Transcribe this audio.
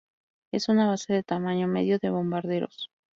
Es una base de tamaño medio de bombarderos.